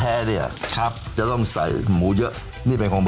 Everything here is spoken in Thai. อ้าวเริ่มจากเมนูไหนดีครับ